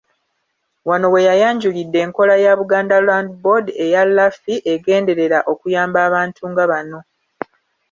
Wano weyayanjulidde enkola ya Buganda Land Board eya LAFI egenderera okuyamba abantu nga bano.